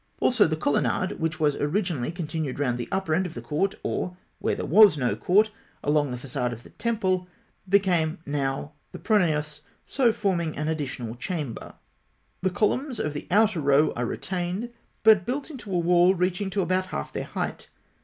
Also the colonnade, which was originally continued round the upper end of the court, or, where there was no court, along the façade of the temple, became now the pronaos, so forming an additional chamber. The columns of the outer row are retained, but built into a wall reaching to about half their height.